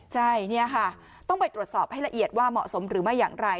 ใช่นี่ค่ะต้องไปตรวจสอบให้ละเอียดว่าเหมาะสมหรือไม่อย่างไร